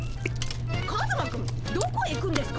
カズマくんどこへ行くんですか？